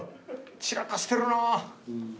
散らかしてるな。